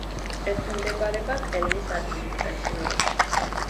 ექვემდებარება კელნის ადმინისტრაციულ ოლქს.